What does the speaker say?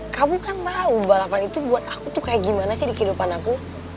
kamu kan tahu balapan itu buat aku tuh kayak gimana sih di kehidupan aku